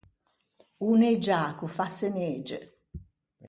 O nëgiâ ch’o fasse nege.